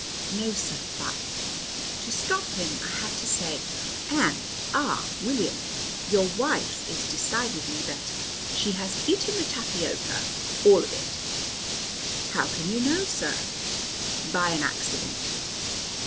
"No, sir, but " To stop him I had to say, "And ah William, your wife is decidedly better. She has eaten the tapioca all of it." "How can you know, sir?" "By an accident."